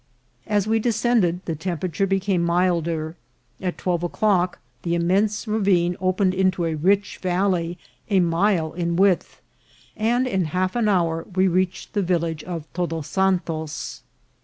As we descended the temperature became milder. At twelve o'clock the immense ravine opened into a rich valley a mile in width, and in half an hour we reached the village of Todos Santos.